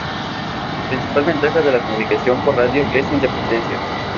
La principal ventaja de la comunicación por radio es su independencia.